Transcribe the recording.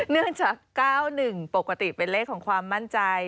เนื่องจาก๙๑ปกติเป็นเลขของความมั่นใจ